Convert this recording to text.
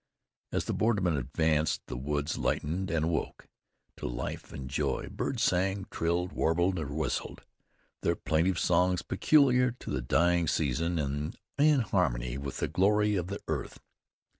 As the bordermen advanced the woods lightened and awoke to life and joy. Birds sang, trilled, warbled, or whistled their plaintive songs, peculiar to the dying season, and in harmony with the glory of the earth.